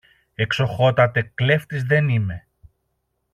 Εξοχότατε, κλέφτης δεν είμαι.